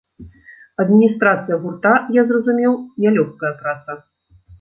Адміністрацыя гурта, я зразумеў, нялёгкая праца.